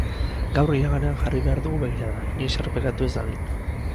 Gaur iraganean jarri behar dugu begirada, inoiz errepikatu ez dadin.